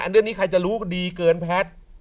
เรื่องนี้ใครจะรู้ดีเกินแพทย์